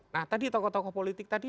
nah tadi tokoh tokoh politik tadi